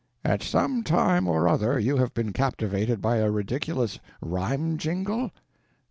At some time or other you have been captivated by a ridiculous rhyme jingle?